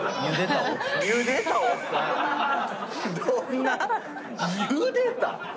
どんな⁉ゆでた⁉